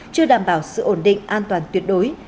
chưa đảm bảo sự ổn định an toàn tuyệt đối